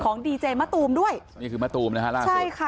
ดีเจมะตูมด้วยนี่คือมะตูมนะฮะล่าสุดใช่ค่ะ